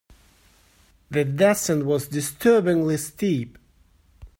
The descent was disturbingly steep.